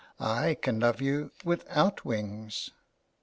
I can love you without wings.''